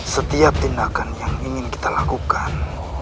setiap tindakan yang ingin kita lakukan